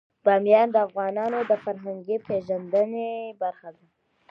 بامیان د افغانانو د فرهنګي پیژندنې برخه ده.